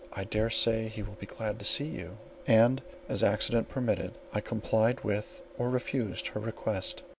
I dare say he will be glad to see you." And, as accident permitted, I complied with or refused her request.